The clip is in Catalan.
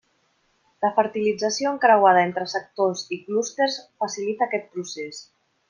La fertilització encreuada entre sectors i clústers facilita aquest procés.